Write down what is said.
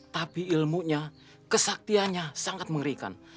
tapi ilmunya kesaktiannya sangat mengerikan